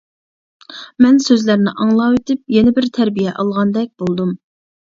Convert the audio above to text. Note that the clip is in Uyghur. مەن سۆزلەرنى ئاڭلاۋېتىپ يەنە بىر تەربىيە ئالغاندەك بولدۇم.